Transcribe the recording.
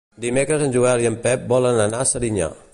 Dimecres en Joel i en Pep volen anar a Serinyà.